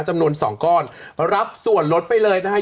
จำนวน๒ก้อนรับส่วนลดไปเลยนะคะ๒๐ค่ะ